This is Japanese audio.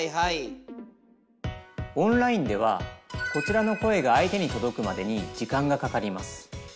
オンラインではこちらの声が相手に届くまでに時間がかかります。